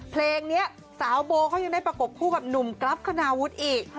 เพลงนี้สาวโบเขายังได้ประกบคู่กับหนุ่มกรัฟคณาวุฒิอีก